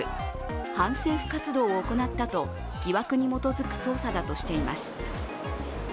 反政府活動を行ったと疑惑に基づく捜査だとしています。